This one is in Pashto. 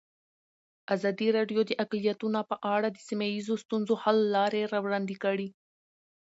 ازادي راډیو د اقلیتونه په اړه د سیمه ییزو ستونزو حل لارې راوړاندې کړې.